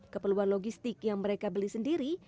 keperluan logistik yang mereka beli sendiri